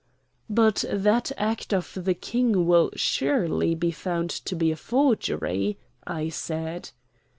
"But that Act of the King will surely be found to be a forgery?" I said.